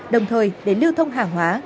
đồng thời để lưu thông hàng hóa